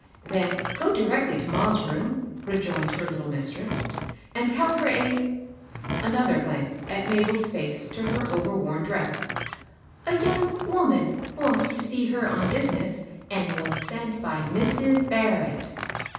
^^ Then go directly to ma's room," rejoined her Utde mistress, " and tell her a" — another glance from Mabel's face to her overworn dress — "a young woman wsinis to see her on business, and was sent by Mrs* Barrett.